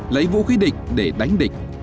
lấy vũ khí địch để đánh địch